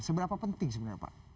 seberapa penting sebenarnya pak